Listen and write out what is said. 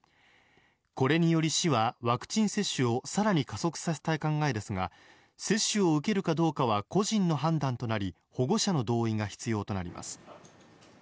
これにより、市はワクチン接種を更に加速させたい考えですが接種を受けるかどうかは個人の判断となり保護者の同意が必要となります。